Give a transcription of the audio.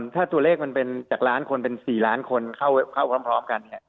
ถ้าตัวเลขมันเป็นจากล้านคนเป็น๔ล้านคนเข้าพร้อมกัน